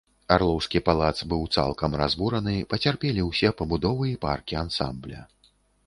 Арлоўскі палац быў цалкам разбураны, пацярпелі ўсе пабудовы і паркі ансамбля.